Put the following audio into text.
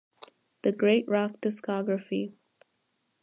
"The Great Rock Discography".